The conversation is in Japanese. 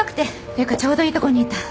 ていうかちょうどいいとこにいた。